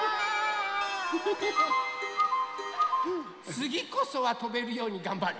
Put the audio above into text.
つぎこそはとべるようにがんばる。